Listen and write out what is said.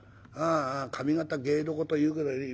ああ上方芸どこというからに。